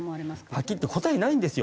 はっきり言って答えないんですよ。